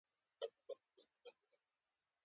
افغانستان کې د هرات لپاره دپرمختیا پروګرامونه شته.